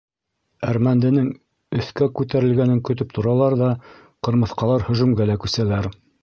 Әрмәнденең өҫкә күтәрелгәнен көтөп торалар ҙа ҡырмыҫҡалар һөжүмгә лә күсәләр.